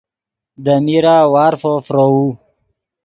دے میرہ وارفو فروؤ